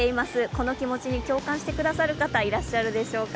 この気持ちに共感してくださる方、いらっしゃるでしょうか。